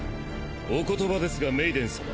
お言葉ですがメイデン様